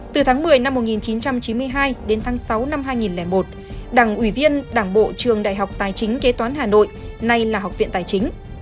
từ tháng một mươi năm một nghìn chín trăm chín mươi hai đến tháng sáu năm hai nghìn một đảng ủy viên đảng bộ trường đại học tài chính kế toán hà nội nay là học viện tài chính